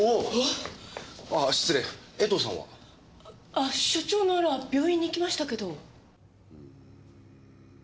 あ所長なら病院に行きましたけど。